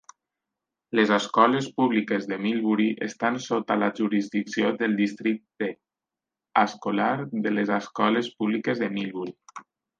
Les escoles públiques a Millbury estan sota la jurisdicció del districte escolar de les escoles públiques de Millbury